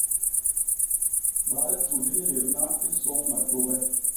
Baa tju di nlébna i sôñ matôp e?